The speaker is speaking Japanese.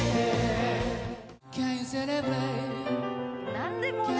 何でもね。